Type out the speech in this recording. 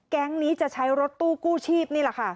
แก๊งนี้จะใช้รถตู้กู้ชีพนี่แหละค่ะ